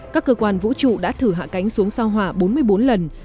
các cơ quan vũ trụ đã thử hạ cánh xuống sao hỏa bốn mươi bốn lần